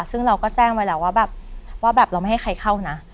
ซึ่งเราก็แจ้งไว้แล้วว่าแบบว่าแบบเราไม่ให้ใครเข้านะ